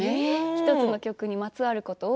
１つの曲にまつわることを。